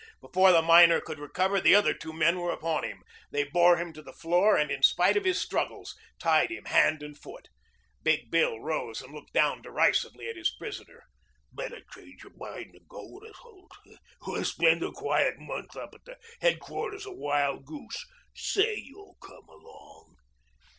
Before the miner could recover, the other two men were upon him. They bore him to the floor and in spite of his struggles tied him hand and foot. Big Bill rose and looked down derisively at his prisoner. "Better change your mind and go with us, Holt. We'll spend a quiet month up at the headquarters of Wild Goose. Say you'll come along."